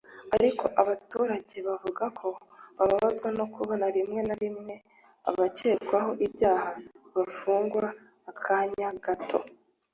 ariko abaturage bavuga ko bababazwa no kubona rimwe na rimwe abakekwaho ibyaha bafungwa akanya gato